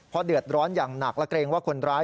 เพราะเดือดร้อนอย่างหนักและเกรงว่าคนร้าย